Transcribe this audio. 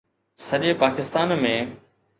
سڄي پاڪستان ۾